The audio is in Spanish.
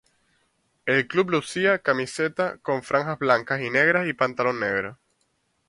El club lucía camiseta con franjas blancas y negras y pantalón negro.